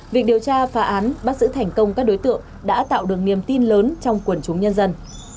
việc điều tra phá án bắt giữ thành công các đối tượng đã tạo được niềm tin lớn trong quần chúng nhân dân